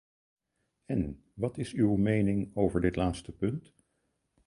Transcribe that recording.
En, wat is uw mening over dit laatste punt?